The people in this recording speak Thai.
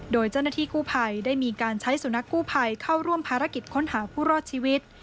โดยเจ้าหน้าที่กู้ภัยได้มีการใช้สุนัขกู้ภัยเข้าร่วมภารกิจค้นหาผู้รอดชีวิต